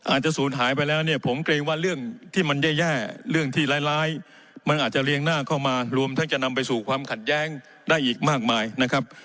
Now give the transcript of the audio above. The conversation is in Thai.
ศูนย์หายไปแล้วเนี่ยผมเกรงว่าเรื่องที่มันแย่เรื่องที่ร้ายมันอาจจะเรียงหน้าเข้ามารวมทั้งจะนำไปสู่ความขัดแย้งได้อีกมากมายนะครับ